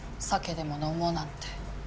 酒でも飲もうなんて。